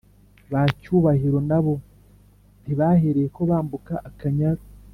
Bacyubahiro nabo ntibahereyeko bambuka akanyaru